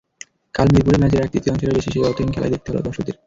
কাল মিরপুরে ম্যাচের এক-তৃতীয়াংশেরও বেশি সেই অর্থহীন খেলাই দেখতে হলো দর্শকদের।